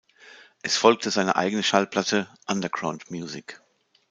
Es folgte seine eigene Schallplatte "Underground Music".